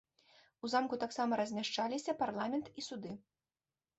У замку таксама размяшчаліся парламент і суды.